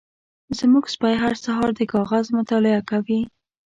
زمونږ سپی هر سهار د کاغذ مطالعه کوي.